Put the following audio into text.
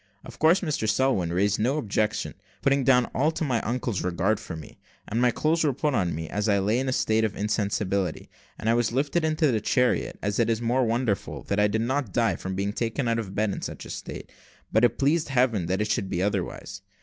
Of course, Mr Selwin raised no objections, putting down all to my uncle's regard for me; and my clothes were put on me, as I lay in a state of insensibility, and I was lifted into the chariot. It is most wonderful that I did not die from being thus taken out of my bed in such a state, but it pleased Heaven that it should be otherwise.